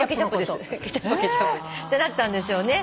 ってなったんでしょうね。